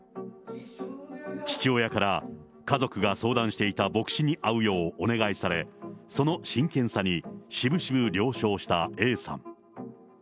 父親から、家族が相談していた牧師に会うようお願いされ、その真剣さに、しぶしぶ了承したＡさん。